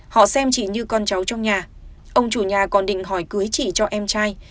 họ xem chỉ như con cháu trong nhà ông chủ nhà còn định hỏi cưới chị cho em trai